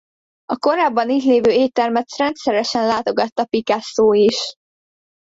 A korábban itt levő éttermet rendszeresen látogatta Picasso is.